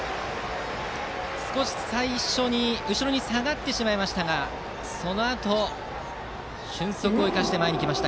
少し最初、後ろに下がってしまいましたがそのあと俊足を生かして前に来ました。